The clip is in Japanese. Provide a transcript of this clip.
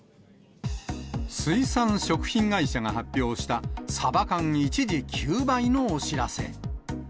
水産食品会社が発表した、サバ缶一時休売のお知らせ。